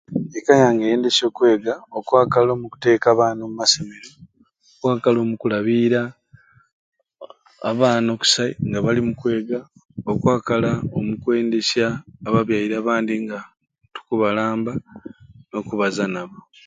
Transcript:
Eka yange eyendesya okwega okwakala omukuteekateeka abaana omumasomero omukwakala omukulabiira abaana okusai nga bali mu kwega okwakala omukwendesya ababyaire abandi nga tukubalamba n'okubaza nabo.